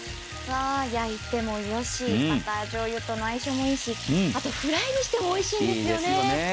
焼いてもよし、バターじょうゆとも相性がいいしフライにしてもおいしいんですよね。